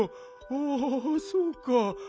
ああそうか。